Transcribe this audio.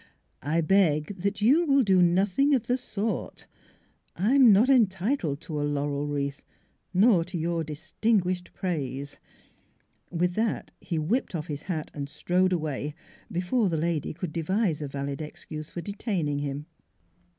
"I beg that you will do nothing of the sort. I am not entitled to a laurel wreath, nor to your distinguished praise." With that he whipped off his hat and strode away, before the lady could devise a valid excuse for detaining him.